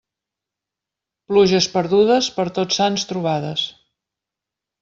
Pluges perdudes, per Tots Sants trobades.